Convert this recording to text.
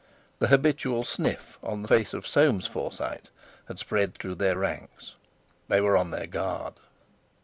The habitual sniff on the face of Soames Forsyte had spread through their ranks; they were on their guard.